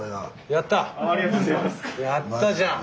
やったじゃん！